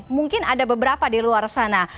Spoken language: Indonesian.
mungkin ada beberapa di luar sana